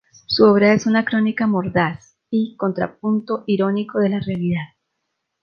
Su obra es una crónica mordaz y contrapunto irónico de la realidad.